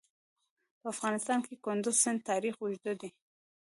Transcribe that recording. په افغانستان کې د کندز سیند تاریخ اوږد دی.